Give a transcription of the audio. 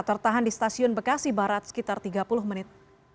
tertahan di stasiun bekasi barat sekitar tiga puluh menit